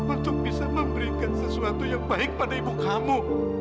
untuk bisa memberikan sesuatu yang baik pada ibu kamu